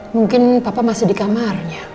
mungkin papa masih di kamar